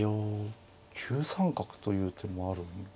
９三角という手もあるんですか。